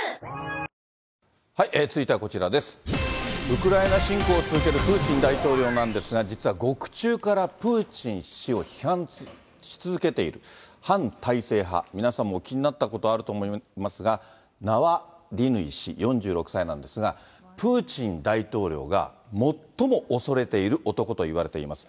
ウクライナ侵攻を続けるプーチン大統領なんですが、実は獄中からプーチン氏を批判し続けている反体制派、皆さんもお聞きになったことがあると思いますが、ナワリヌイ氏４６歳なんですが、プーチン大統領が最も恐れている男といわれています。